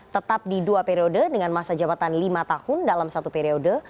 tetap di dua periode dengan masa jabatan lima tahun dalam satu periode